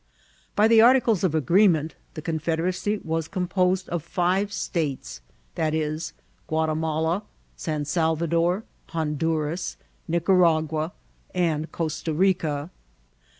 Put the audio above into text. By the arti cles of agreement the confederacy was composed of five states, Yis., Ghiatimala, San Salvador, Hondurasi Nica* ragua, and Costa Rica.